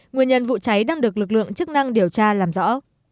nguyên nhân vụ cháy đang được lực lượng chức năng điều tra làm rõ